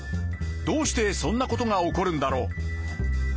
どうしてそんな事が起こるんだろう？